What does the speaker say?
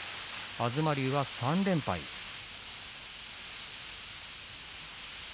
東龍は３連敗です。